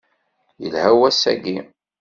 Yelha wass-aki.